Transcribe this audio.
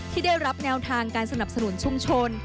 ที่ได้รับแนวทางการสนับสนุนชุมชน